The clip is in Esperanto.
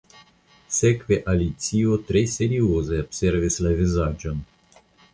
Sekve Alicio tre serioze observis la vizaĝon.